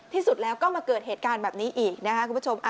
ที่สุดแล้วก็มาเกิดเหตุการณ์แบบนี้อีกนะครับคุณผู้ชม